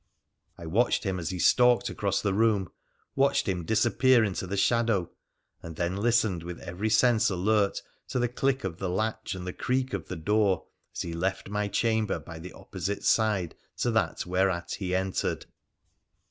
I watched him as he stalked across the room, watched him disappear into the shadow, and then listened, with every sense alert, to the click of the latch and the creak of the door as he left my chamber by the opposite side to that whereat he entered.